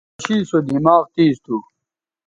عاشی سو دماغ تیز تھو